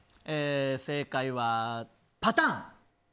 正解はパターン。